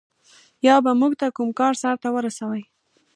یا به موږ ته کوم کار سرته ورسوي.